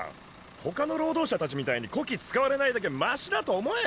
ほかの労働者たちみたいにこき使われないだけましだと思え！